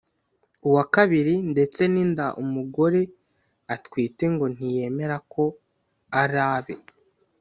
uwa kabiri ndetse n’inda umugore atwite ngo ntiyemera ko ari abe